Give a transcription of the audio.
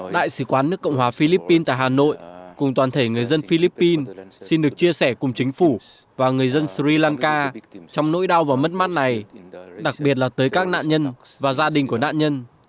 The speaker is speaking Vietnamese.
đại sứ quán nước cộng hòa philippines tại hà nội cùng toàn thể người dân philippines xin được chia sẻ cùng chính phủ và người dân sri lanka trong nỗi đau và mất mắt này đặc biệt là tới các nạn nhân và gia đình của nạn nhân